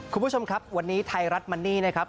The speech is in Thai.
คุณผู้ชมครับวันนี้ไทยรัฐมันนี่นะครับ